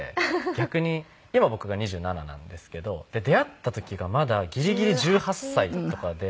逆に今僕が２７なんですけど。で出会った時がまだギリギリ１８歳とかで。